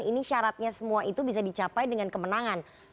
ini syaratnya semua itu bisa dicapai dengan kemenangan